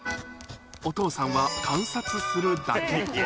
お父さんは観察するだけ。